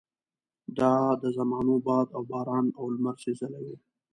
دا د زمانو باد او باران او لمر سېزلي وو.